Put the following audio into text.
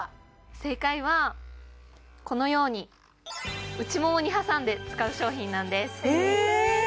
正解はこのように内ももに挟んで使う商品なんですえ！